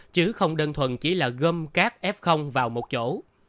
chứ không đơn thuần chỉ là gâm các f vào một chỗ